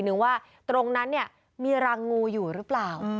นึงว่าตรงนั้นเนี่ยมีรังงูอยู่หรือเปล่า